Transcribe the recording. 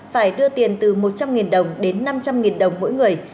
phải đưa tiền từ một trăm linh đồng đến năm trăm linh đồng mỗi người